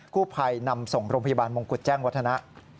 กู้ภัยนำส่งโรงพยาบาลมงกุฎแจ้งวัฒนะ